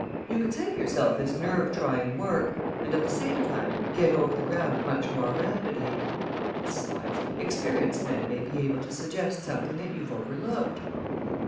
You could save yourself this nerve trying work, and at the same time get over the ground much more rapidly. Besides, experienced men may be able to suggest something that you've overlooked."